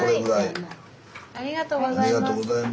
ありがとうございます。